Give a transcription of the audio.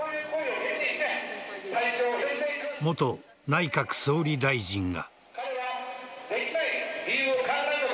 元内閣総理大臣が。